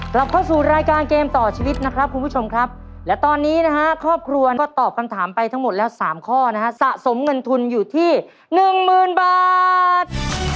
กลับเข้าสู่รายการเกมต่อชีวิตนะครับคุณผู้ชมครับและตอนนี้นะฮะครอบครัวก็ตอบคำถามไปทั้งหมดแล้ว๓ข้อนะฮะสะสมเงินทุนอยู่ที่หนึ่งหมื่นบาท